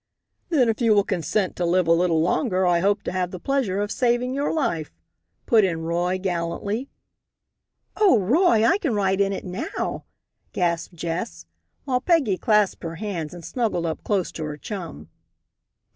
"Then if you will consent to live a little longer I hope to have the pleasure of saving your life," put in Roy, gallantly. "Oh, Roy! I can ride in it now!" gasped Jess, while Peggy clasped her hands and snuggled up close to her chum.